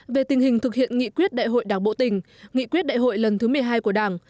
về tình hình thực hiện nghị quyết đại hội đảng bộ tỉnh nghị quyết đại hội lần thứ một mươi hai của đảng